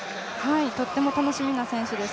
とっても楽しみな選手です。